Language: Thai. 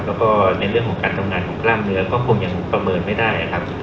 แล้วก็ในเรื่องของการทำงานของกล้ามเนื้อก็คงยังประเมินไม่ได้นะครับ